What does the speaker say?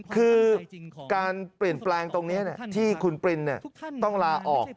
คือการเปลี่ยนแปลงตรงนี้ที่คุณปรินต้องลาออก